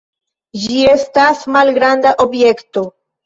Ĝi estas malgranda objekto.